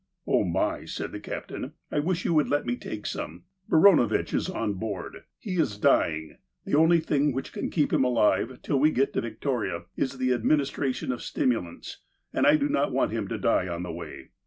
"Oh, my," said the captain, "I wish you would let me take some. Baranovitch is on board. He is dying. The only thing which can keep him alive, till we get to Victoria, is the administration of stimulants, and I do not want him to die on the way.